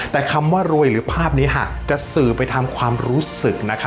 แต่คำว่ารวยหรือภาพนี้จะสื่อไปทำความรู้สึกนะคะ